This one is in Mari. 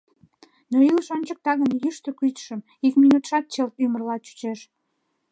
Но илыш ончыкта гын Йӱштӧ кӱчшым, Ик минутшат Чылт ӱмырла чучеш.